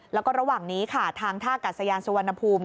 แล้วก็ระหว่างนี้ค่ะทางท่ากัดสยานสุวรรณภูมิ